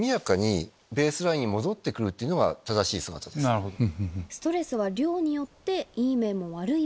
なるほど。